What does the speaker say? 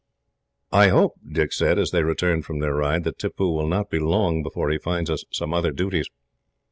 "I hope," Dick said, as they returned from their ride, "that Tippoo will not be long before he finds us some other duties.